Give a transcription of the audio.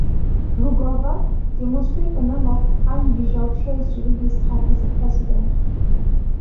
Rugova demonstrated a number of unusual traits during his time as President.